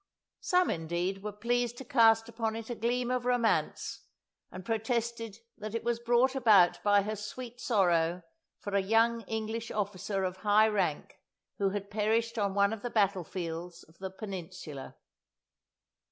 Some, indeed, were pleased to cast upon it a gleam of romance, and protested that it was brought about by her sweet sorrow for a young English officer of high rank who had perished on one of the battle fields of the Peninsula.